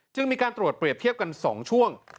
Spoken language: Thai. จึงมีการตรวจเปรียบเทียบกัน๒ช่วง